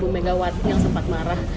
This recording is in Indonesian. sembilan ribu mw yang sempat marah